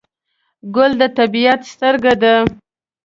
ګل د طبیعت سترګه ده.